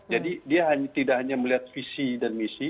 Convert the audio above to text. jadi dia tidak hanya melihat visi dan misi